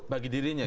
bagi dirinya ya